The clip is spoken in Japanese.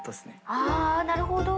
あっなるほど。